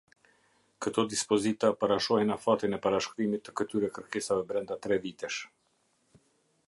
Këto dispozita parashohin afatin e parashkrimit të këtyre kërkesave brenda tre vitësh.